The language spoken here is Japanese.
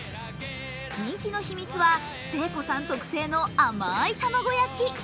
人気の秘密は誠子さん特製の甘い卵焼き。